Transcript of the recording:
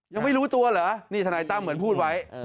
ยังไม่รู้ตัวเหรอนี่ทนายตั้มเหมือนพูดไว้